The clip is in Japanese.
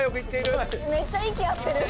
めっちゃ息合ってる。